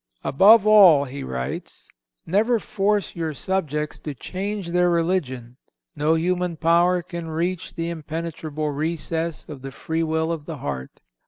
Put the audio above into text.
"Above all," he writes, "never force your subjects to change their religion. No human power can reach the impenetrable recess of the free will of the heart.